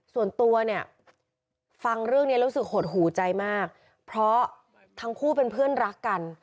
ส่วนตัวเนี่ยฟังเรื่องนี้รู้สึกหดหูใจมากเพราะทั้งคู่เป็นเพื่อนรักกัน